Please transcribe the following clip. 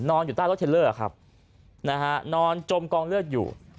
อยู่ใต้รถเทลเลอร์ครับนะฮะนอนจมกองเลือดอยู่